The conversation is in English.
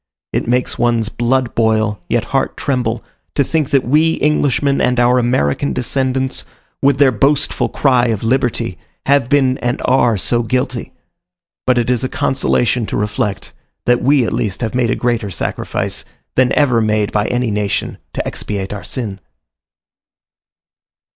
It makes one's blood boil, yet heart tremble, to think that we Englishmen and our American descendants, with their boastful cry of liberty, have been and are so guilty: but it is a consolation to reflect, that we at least have made a greater sacrifice, than ever made by any nation, to expiate our sin.